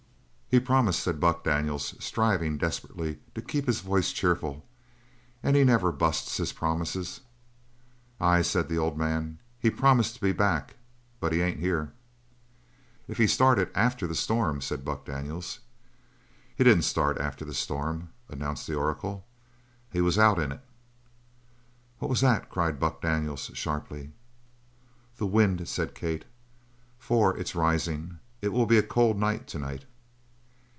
"He promised," said Buck Daniels, striving desperately to keep his voice cheerful, "and he never busts his promises." "Ay," said the old man, "he promised to be back but he ain't here." "If he started after the storm," said Buck Daniels. "He didn't start after the storm," announced the oracle. "He was out in it." "What was that," cried Buck Daniels sharply. "The wind," said Kate, "for it's rising. It will be a cold night, to night."